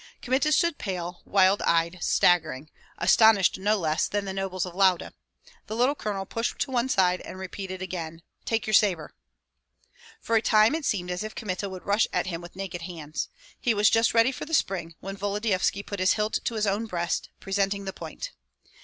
Kmita stood pale, wild eyed, staggering, astonished no less than the nobles of Lauda; the little colonel pushed to one side, and repeated again, "Take your sabre!" For a time it seemed as if Kmita would rush at him with naked hands. He was just ready for the spring, when Volodyovski put his hilt to his own breast, presenting the point.